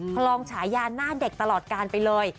คลองฉายาหน้าเด็กตลอดการไปเลย